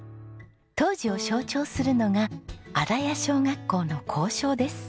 当時を象徴するのが荒谷小学校の校章です。